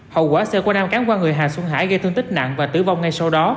hậu quả xe của nam cán qua người hà xuân hải gây thương tích nặng và tử vong ngay sau đó